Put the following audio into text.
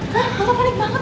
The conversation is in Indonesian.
kak kamu panik banget